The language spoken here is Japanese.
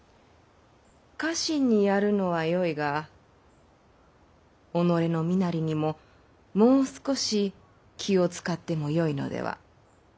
家臣にやるのはよいが己の身なりにももう少し気を遣ってもよいのでは？